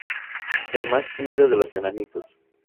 El más tímido de los enanitos.